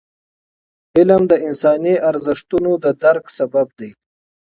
علم د انساني ارزښتونو د درک سبب دی.